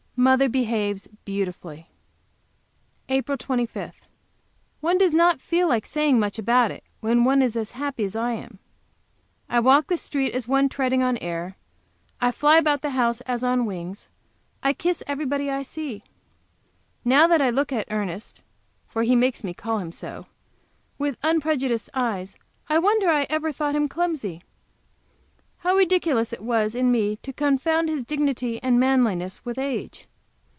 Mother behaves beautifully. APRIL 25. One does not feel like saying much about it, when one is as happy as I am. I walk the streets as one treading on air. I fly about the house as on wings. I kiss everybody I see. Now that I look at Ernest (for he makes me call him so) with unprejudiced eyes, I wonder I ever thought him clumsy. And how ridiculous it was in me to confound his dignity and manliness with age!